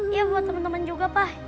iya buat teman teman juga pak